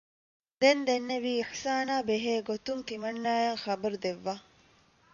ދެން ދެންނެވީ އިޙުސާނާ ބެހޭ ގޮތުން ތިމަންނާއަށް ޚަބަރު ދެއްވާ